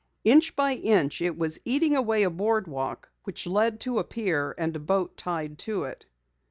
Inch by inch it was eating away a board walk which led to a pier and a boat tied to it.